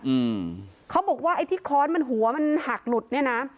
อืมเขาบอกว่าไอ้ที่ค้อนมันหัวมันหักหลุดเนี้ยนะ